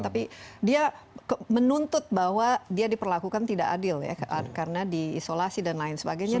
tapi dia menuntut bahwa dia diperlakukan tidak adil ya karena diisolasi dan lain sebagainya